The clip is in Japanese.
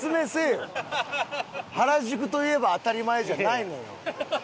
原宿といえば当たり前じゃないのよ。